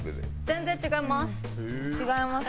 全然違います。